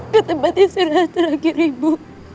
ketempat isi rahas terakhir ibu